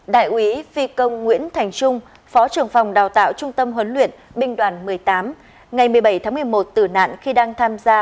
đại úy phi công nguyễn thành trung phó trưởng phòng đào tạo trung tâm huấn luyện binh đoàn một mươi tám ngày một mươi bảy tháng một mươi một tử nạn khi đang tham gia